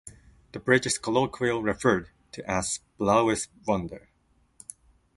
The bridge is colloquial referred to as "Blaues Wunder".